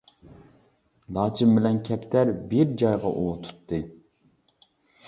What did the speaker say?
لاچىن بىلەن كەپتەر بىر جايغا ئۇۋا تۇتتى.